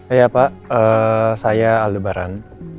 iya pak saya aldebaran